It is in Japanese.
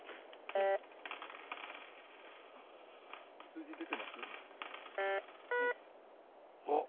数字出てます？あっ。